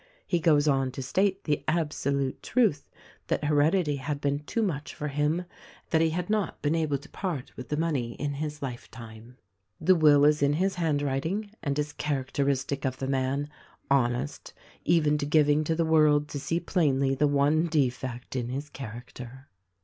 He goes on to state the absolute truth that heredity had been too much for him. that he had not been able to part with the money in his lifetime. The will is in his handwriting and is characteristic of the man ;— honest, even to giving to the world to see plainly the one defect in his character."